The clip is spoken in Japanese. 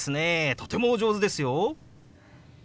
とてもお上手ですよ！